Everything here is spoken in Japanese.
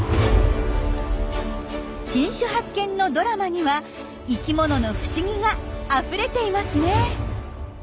新種発見のドラマには生きものの不思議があふれていますね。